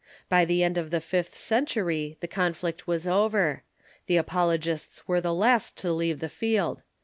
By the end of the fifth century the conflict was over. The apologists were the last to leave the field.